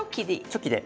チョキで。